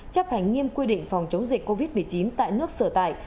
chấp hành nghiêm quy định phòng chống dịch covid một mươi chín tại nước sở tại